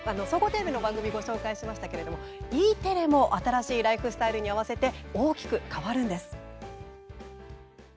総合テレビの番組を紹介しましたがＥテレも新しいライフスタイルに合わせて大きく変わるんです。